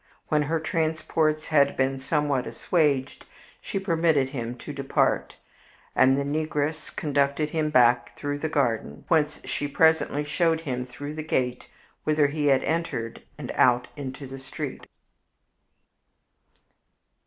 When her transports had been somewhat assuaged she permitted him to depart, and the negress conducted him back through the garden, whence she presently showed him through the gate whither he had entered and out into the street.